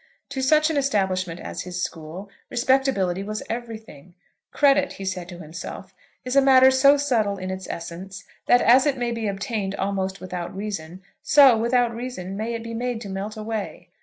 To such an establishment as his school, respectability was everything. Credit, he said to himself, is a matter so subtle in its essence, that, as it may be obtained almost without reason, so, without reason, may it be made to melt away.